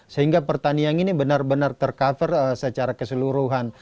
sehingga pertanian ini benar benar tercover secara keseluruhan